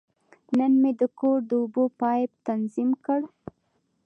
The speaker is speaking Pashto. نن مې د کور د اوبو پایپ تنظیم کړ.